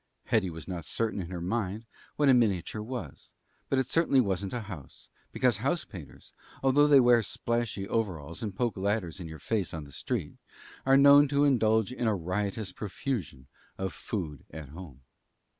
Hetty was not certain in her mind what a miniature was; but it certainly wasn't a house; because house painters, although they wear splashy overalls and poke ladders in your face on the street, are known to indulge in a riotous profusion of food at home.